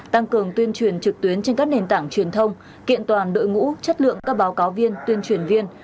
tăng cường tuyên truyền trực tuyến trên các nền tảng truyền thông kiện toàn đội ngũ chất lượng các báo cáo viên tuyên truyền viên